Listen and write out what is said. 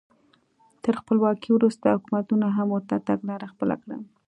تر خپلواکۍ وروسته حکومتونو هم ورته تګلاره خپله کړه.